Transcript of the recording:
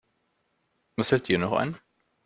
Was fällt dir noch ein?